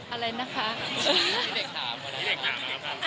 อะไรนะคะ